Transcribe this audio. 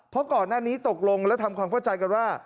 เพราะก่อนหน้านี้ตกลงและทำความเข้าใจกันว่า